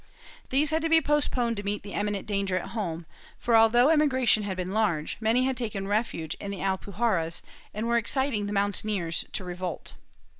These had to be postponed to meet the imminent danger at home for, although emigration had been large, many had taken refuge in the Alpuj arras and were exciting the mountaineers to revolt.